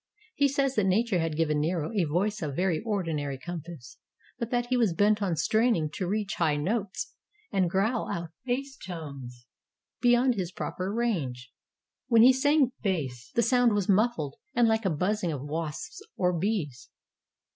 He says that nature had given Nero a voice of very ordinary compass, but that he was bent on straining to reach high notes, and growl out bass tones beyond his proper range. When he sang bass, the sound was muffled and like a buzzing of wasps or bees.